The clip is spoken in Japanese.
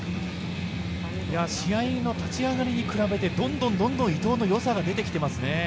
試合の立ち上がりに比べてどんどん伊藤の良さが出てきていますね。